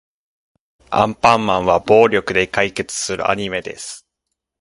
アンパンマンは暴力で解決するアニメです。